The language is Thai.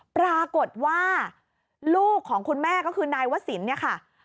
ปรากฏว่าลูกของคุณแม่ก็คือนายวศิลป์เนี่ยค่ะ